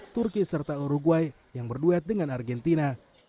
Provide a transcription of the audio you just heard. turki serta uruguay yang berduet dengan argentina